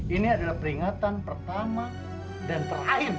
ini adalah peringatan pertama dan terakhir buat kamu